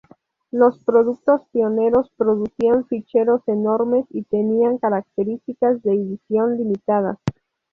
Los productos pioneros producían ficheros enormes y tenían características de edición limitadas.